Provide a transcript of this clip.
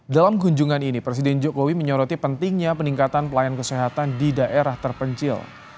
dalam kunjungan ini presiden jokowi menyoroti pentingnya peningkatan pelayanan kesehatan di daerah terpencil